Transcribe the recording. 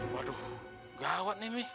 waduh gawat nih mi